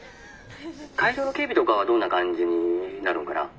会場の警備とかはどんな感じになるんかな？